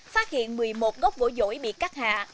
phát hiện một mươi một gốc gỗ dỗi bị cắt hạ